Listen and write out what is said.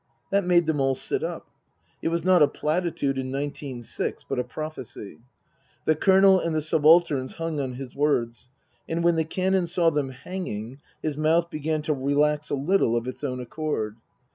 That made them all sit up. (It was not a platitude in nineteen six, but a prophecy.) The Colonel and the subalterns hung on his words ; and when the Canon saw them hanging, his mouth began to relax a little of its own accord.